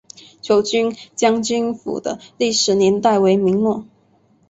九军将军府的历史年代为明末。